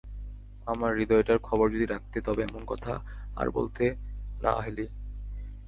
আমার হৃদয়টার খবর যদি রাখতে তবে এমন কথা আর বলতে না নেলি।